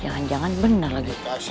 jangan jangan bener lagi